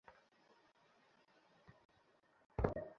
শুনো, ভাব ধরা বন্ধ করো।